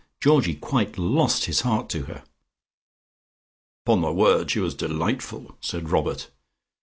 Georgie quite lost his heart to her." "'Pon my word; she was delightful," said Robert.